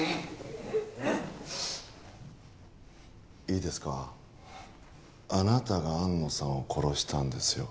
いいですかあなたが安野さんを殺したんですよ